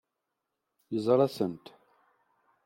Yeẓra-tent.